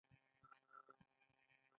ایا زما خبرې ډیرې وې؟